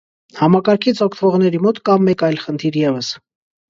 Համակարգից օգտվողների մոտ կա մեկ այլ խնդիր ևս։